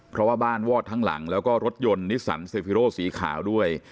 เพราะว่าบ้านวอดทั้งหลังแล้วก็รถยนต์นิสสันเซฟิโรสีขาวด้วย